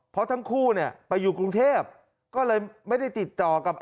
เพราะทั้งคู่เนี่ยไปอยู่กรุงเทพก็เลยไม่ได้ติดต่อกับ